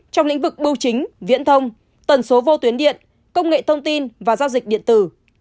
trong lĩnh vực bưu chính viễn thông tần số vô tuyến điện công nghệ thông tin và giao dịch điện tử